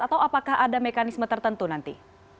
atau apakah ada mekanisme tertentu nanti